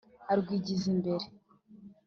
arwigiza imbere